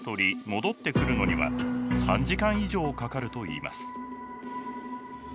戻ってくるのには３時間以上かかるといいます。